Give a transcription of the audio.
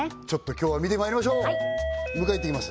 今日は見てまいりましょう迎え行ってきます